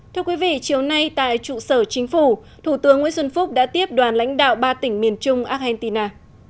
thưa quý vị chiều nay tại trụ sở chính phủ thủ tướng nguyễn xuân phúc đã tiếp đoàn lãnh đạo ba tỉnh miền trung argentina